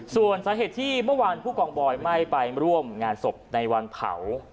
ส่วนสาเหตุที่เมื่อวานผู้กองบอยไม่ไปร่วมงานศพในวันเผา